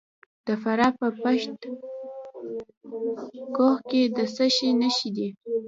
د فراه په پشت کوه کې د څه شي نښې دي؟